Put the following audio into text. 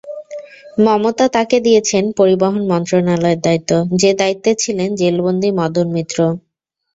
মমতা তাঁকে দিয়েছেন পরিবহন মন্ত্রণালয়ের দায়িত্ব, যে-দায়িত্বে ছিলেন জেলবন্দী মদন মিত্র।